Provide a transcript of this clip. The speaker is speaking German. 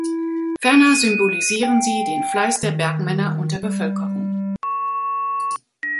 Ferner symbolisieren sie den Fleiß der Bergmänner und der Bevölkerung.